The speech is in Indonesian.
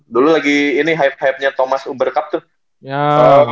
dulu lagi ini hype hypenya thomas ubercup tuh